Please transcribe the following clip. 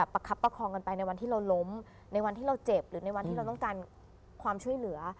ประคับประคองกันไปในวันที่เราล้มในวันที่เราเจ็บหรือในวันที่เราต้องการความช่วยเหลือ